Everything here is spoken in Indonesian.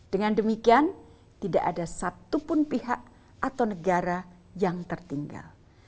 dengan demikian tidak ada satupun pihak atau negara yang tertinggal